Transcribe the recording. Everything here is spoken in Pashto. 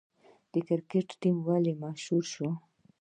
د کرکټ ټیم ولې مشهور شو؟